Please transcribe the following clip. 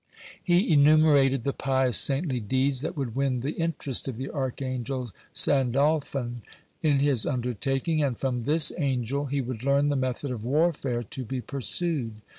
He enumerated the pious, saintly deeds that would win the interest of the archangel Sandalphon in his undertaking, and from this angel he would learn the method of warfare to be pursued.